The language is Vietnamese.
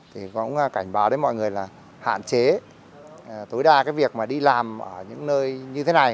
thì cũng cảnh báo đến mọi người là hạn chế tối đa cái việc mà đi làm ở những nơi như thế này